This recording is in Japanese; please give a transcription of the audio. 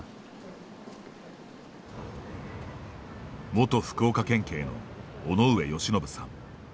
元福岡県警の尾上芳信さん。